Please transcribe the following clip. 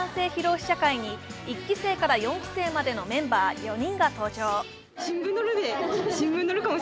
試写会に１期生から４期生までのメンバー４人が登場。